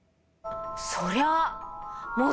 そりゃあ。